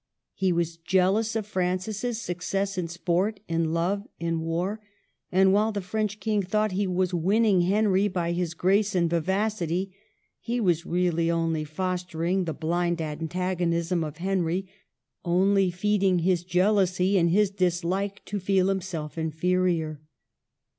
He was jealous of Francis's success in sport, in love, in war ; and while the French King thought he was winning Henry by his grace and his vivacity, he was really only fostering the blind antagonism of Henry, only feeding his jealousy, and his dislike to feel him self inferior.